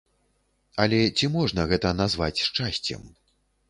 Але ці можна гэта назваць шчасцем?